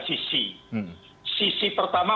sisi sisi pertama